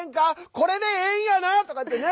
これで、ええんやな？っていうてね。